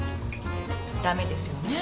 駄目ですよね。